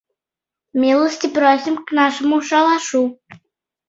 Милости просим к нашему шалашу.